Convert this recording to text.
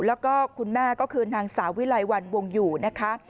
แล้วก็คุณแม่ก็คือนางสาววิลัยวันวงอยู่นะคะ